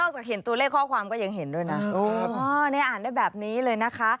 จากเห็นตัวเลขข้อความก็ยังเห็นด้วยนะอ่านได้แบบนี้เลยนะคะ